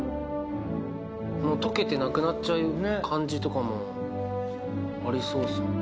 溶けてなくなっちゃう感じとかもありそうです。